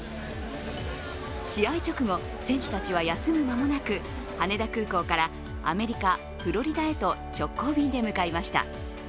試合直後、選手たちは休む間もなく羽田空港からアメリカ・フロリダへと直行便で向かいました。